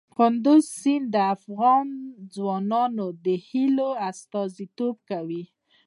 کندز سیند د افغان ځوانانو د هیلو استازیتوب کوي.